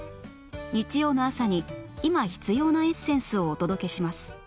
日曜の朝に今必要なエッセンスをお届けします